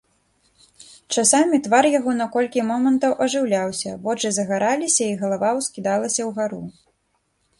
Часамі твар яго на колькі момантаў ажыўляўся, вочы загараліся і галава ўскідалася ўгару.